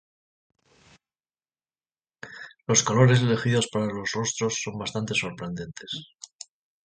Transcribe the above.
Los colores elegidos para los rostros son bastante sorprendentes.